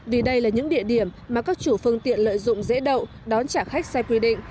vì đây là những địa điểm mà các chủ phương tiện lợi dụng dễ đậu đón trả khách sai quy định